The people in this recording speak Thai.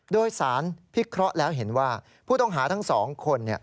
โดยสารพิเคราะห์แล้วเห็นว่าผู้ต้องหาทั้ง๒คน